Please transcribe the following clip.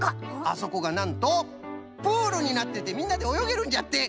あそこがなんとプールになっててみんなでおよげるんじゃって！